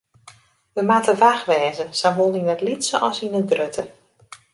Wy moatte wach wêze, sawol yn it lytse as yn it grutte.